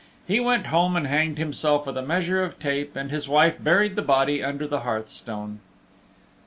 He went home and hanged himself with a measure of tape and his wife buried the body under the hearth stone.